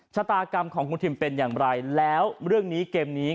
ชะตากรรมของคุณทิมเป็นอย่างไรแล้วเรื่องนี้เกมนี้